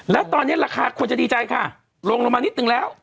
แล้วตอนนี้ราคาควรจะดีใจค่ะลงลงมานิดนึงแล้ว